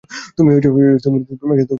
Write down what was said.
তুমি তোমার মতো ঠিক আছো।